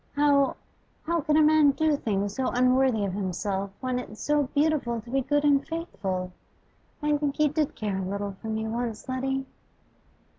How how can a man do things so unworthy of himself, when it's so beautiful to be good and faithful? I think he did care a little for me once, Letty.